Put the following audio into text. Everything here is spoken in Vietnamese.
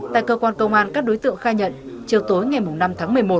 tại cơ quan công an các đối tượng khai nhận chiều tối ngày năm tháng một mươi một